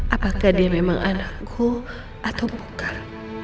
apakah dia memang anakku atau bukan